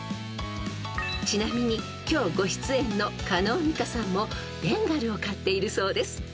［ちなみに今日ご出演の叶美香さんもベンガルを飼っているそうです。